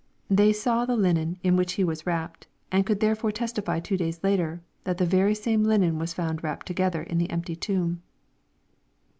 They saw the hnen in which He was wrapped, and could therefore testify two days ailer, that the very same linen was found wrapped together in the empty tomb.